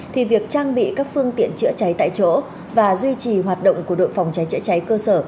thì việc trang bị các phương tiện chữa cháy tại chỗ và duy trì hoạt động của đội phòng cháy chữa cháy cơ sở